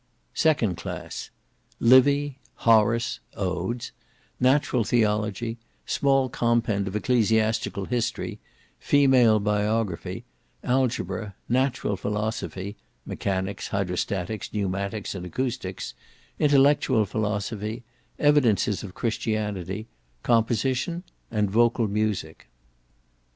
Second Class Livy; Horace, (Odes); Natural Theology; small Compend of Ecclesiastical History; Female Biography; Algebra; Natural Philosophy, (Mechanics, Hydrostatics, Pneumatics, and Acoustics); Intellectual Philosophy; Evidences of Christianity; Composition, and Vocal Music.